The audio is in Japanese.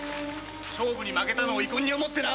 勝負に負けたのを遺恨に思ってな。